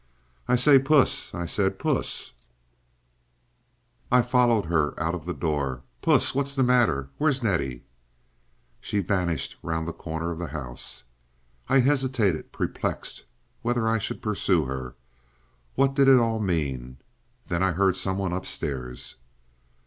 "I say, Puss!" I said. "Puss!" I followed her out of the door. "Puss! What's the matter? Where's Nettie?" She vanished round the corner of the house. I hesitated, perplexed whether I should pursue her. What did it all mean? Then I heard some one upstairs.